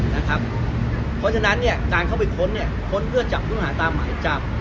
เพราะฉะนั้นการเข้าไปค้นค้นเพื่อจับผู้ต้องหาตามหมายจับ